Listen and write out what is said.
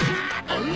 うん？